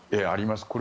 あります。